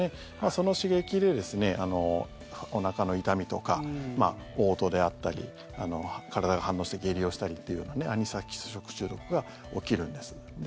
その刺激で、おなかの痛みとかおう吐であったり体が反応して下痢をしたりというようなアニサキス食中毒が起きるんです。